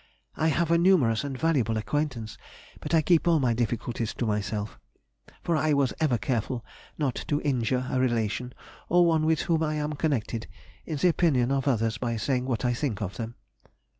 I have a numerous and valuable acquaintance, but I keep all my difficulties to myself, for I was ever careful not to injure a relation, or one with whom I am connected, in the opinion of others, by saying what I think of them.